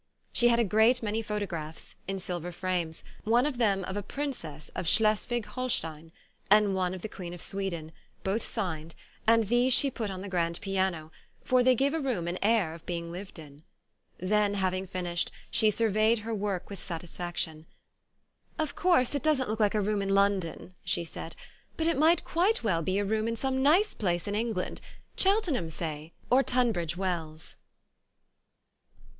She had a great many photographs, in silver frames, one of them of a Princess • of Schleswig Holstein, and one of the Queen of Sweden, both signed, and these she put on the grand piano, for they give a room an air of being lived in. Then, having finished, she sur veyed her work with satisfaction. "Of course it doesn't look like a room in Lon don," she said, "but it might quite well be a room in some nice place in England, Cheltenham, say, or Tunbridge Wells."